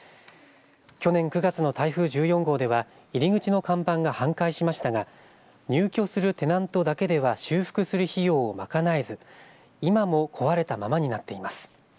去年９月の台風１４号では入り口の看板が半壊しましたが入居するテナントだけでは修復する費用をまかなえず今も壊れたままになっています。